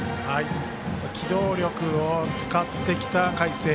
機動力を使ってきた海星。